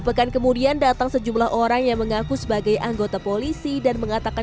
pekan kemudian datang sejumlah orang yang mengaku sebagai anggota polisi dan mengatakan